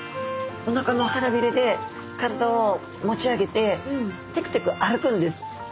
おなかの腹びれで体を持ち上げててくてく歩くんです。